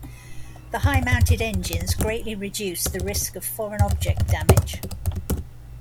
The high-mounted engines greatly reduce the risk of foreign object damage.